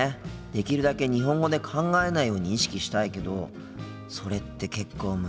できるだけ日本語で考えないように意識したいけどそれって結構難しいよな。